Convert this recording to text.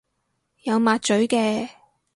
有抹嘴嘅